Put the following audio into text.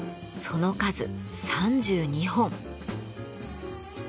その数３２本。